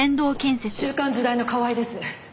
『週刊時代』の川合です。